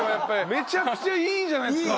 めちゃくちゃいいじゃないですか。